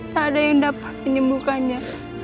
tak ada yang dapat menyembuhkannya